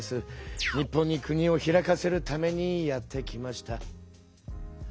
日本に国を開かせるためにやって来ました。